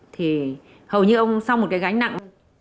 thì hầu như ông xong một cái gánh nặng